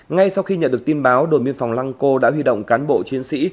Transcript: ngay sau khi nhận được tin báo đồn biên phòng lang co đã huy động cán bộ chiến sĩ